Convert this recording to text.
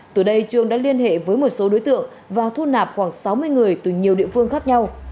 từ đây trường đã liên hệ với một số đối tượng và thu nạp khoảng sáu mươi người từ nhiều địa phương khác nhau